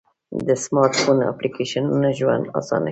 د سمارټ فون اپلیکیشنونه ژوند آسانه کوي.